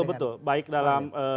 betul baik dalam